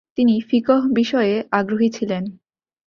তিনি ফিকহ বিষয়ে আগ্রহী ছিলেন।